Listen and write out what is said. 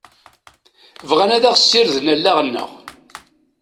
Bɣan ad ɣ-sirden allaɣ-nneɣ.